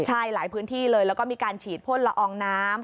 ใช่หลายพื้นที่เลยแล้วก็มีการฉีดพ่นละอองน้ำ